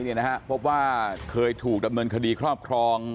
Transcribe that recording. เพื่อว่าเพื่อถูกดำเนินคดีครอบครอง